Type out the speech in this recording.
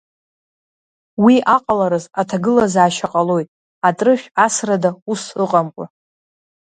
Уи аҟалараз аҭагылазаашьа ҟалоит, атрышә асрада ус ыҟамкәа.